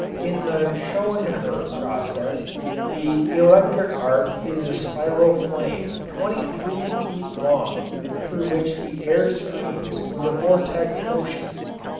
In the Schönherr process the electric arc is a spiral flame twenty three feet long through which the air streams with a vortex motion.